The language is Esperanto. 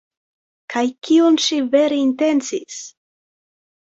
Kaj kion ŝi vere intencis?